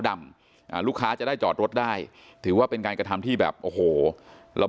ดำอ่าลูกค้าจะได้จอดรถได้ถือว่าเป็นการกระทำที่แบบโอ้โหเรา